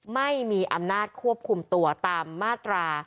ไม่มีอำนาจควบคุมตัวตามมาตรา